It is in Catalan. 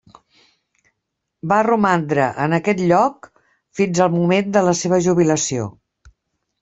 Va romandre en aquest lloc fins al moment de la seva jubilació.